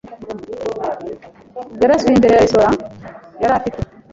yarasiwe imbere ya resitora yari afite.